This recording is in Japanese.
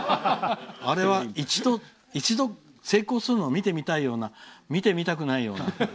あれは、一度成功するのを見てみたいような見てみたくないような。